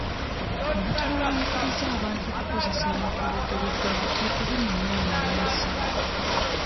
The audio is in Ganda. Obutabo obuyigiriza abantu okukozesa ebintu ebiguliddwa buteekebwe mu nnimi ennansi.